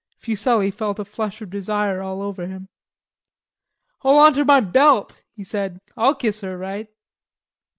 Fuselli felt a flush of desire all over him. "Hol' onter my belt," he said. "I'll kiss her right."